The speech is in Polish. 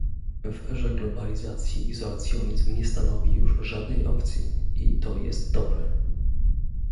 W erze globalizacji izolacjonizm nie stanowi już żadnej opcji - i to jest dobre